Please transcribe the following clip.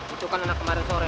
itu kan anak kemarin sore